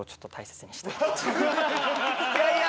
いやいや